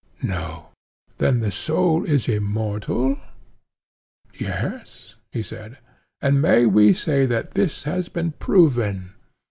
No. Then the soul is immortal? Yes, he said. And may we say that this has been proven?